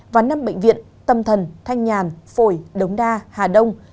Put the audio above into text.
và năm bệnh viện tâm thần thanh nhàn phổi đống đa hà đông